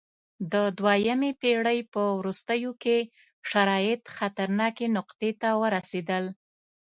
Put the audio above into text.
د دویمې پېړۍ په وروستیو کې شرایط خطرناکې نقطې ته ورسېدل